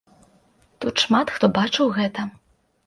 Тут шмат хто бачыў гэта.